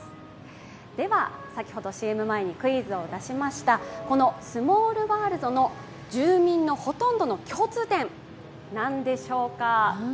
では、ＣＭ前にクイズを出しましたこのスモールワールズの住民のほとんどの共通点何でしょうか？